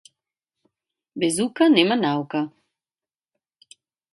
Без ука нема наука.